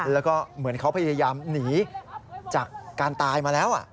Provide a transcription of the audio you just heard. แล้วก็เหมือนเขาพยายามหนีจากการตายมาแล้ว